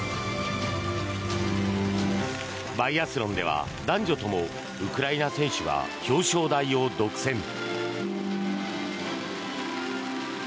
バイアスロンでは男女ともウクライナ選手が表彰台を独占。